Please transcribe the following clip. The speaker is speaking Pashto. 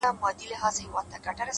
• ما په ژوند کي داسي قام نه دی لیدلی,